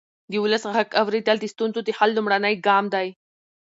د ولس غږ اورېدل د ستونزو د حل لومړنی ګام دی